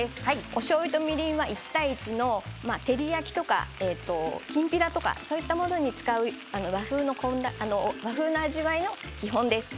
おしょうゆとみりんは１対１の照り焼きとかきんぴらとかそういったものに使う和風の味わいの基本です。